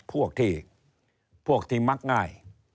พวกที่มักง่าย